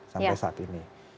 sampai saat ini